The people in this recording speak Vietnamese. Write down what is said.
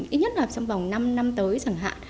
ít nhất là trong vòng năm năm tới chẳng hạn